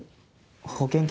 保険金？